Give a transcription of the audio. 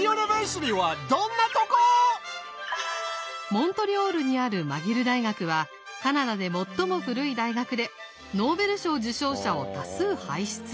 モントリオールにあるマギル大学はカナダで最も古い大学でノーベル賞受賞者を多数輩出。